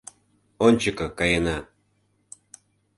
Ончыко каена.